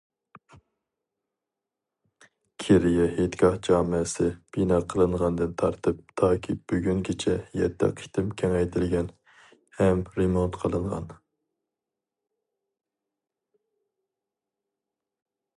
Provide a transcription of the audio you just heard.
«كېرىيە ھېيتگاھ جامەسى» بىنا قىلىنغاندىن تارتىپ تاكى بۈگۈنگىچە يەتتە قېتىم كېڭەيتىلگەن ھەم رېمونت قىلىنغان.